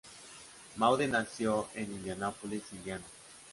Maude nació en Indianapolis, Indiana.